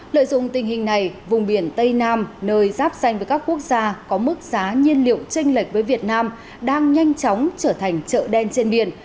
lợi dụng tình hình này vùng biển tây nam nơi giáp danh với các quốc gia có mức giá nhiên liệu tranh lệch với việt nam đang nhanh chóng trở thành chợ đen trên biển